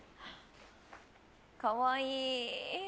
［かわいい。